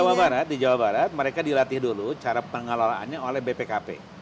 jawa barat di jawa barat mereka dilatih dulu cara pengelolaannya oleh bpkp